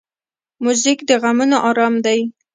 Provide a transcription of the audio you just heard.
موزیک د غمونو آرام دی.